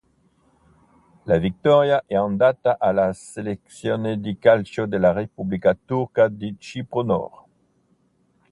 La vittoria è andata alla Selezione di calcio della Repubblica Turca di Cipro Nord.